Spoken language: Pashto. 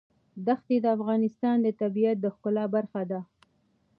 دښتې د افغانستان د طبیعت د ښکلا برخه ده.